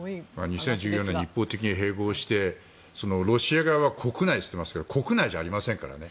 ２０１４年に一方的に併合して、ロシア側は国内と言っていますが国内じゃありませんからね。